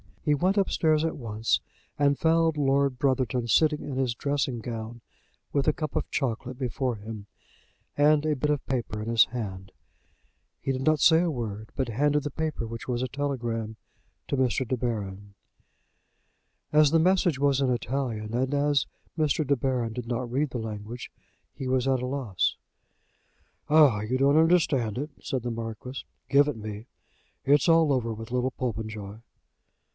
He went upstairs at once, and found Lord Brotherton sitting in his dressing gown, with a cup of chocolate before him, and a bit of paper in his hand. He did not say a word, but handed the paper, which was a telegram, to Mr. De Baron. As the message was in Italian, and as Mr. De Baron did not read the language, he was at a loss. "Ah! you don't understand it," said the Marquis. "Give it me. It's all over with little Popenjoy."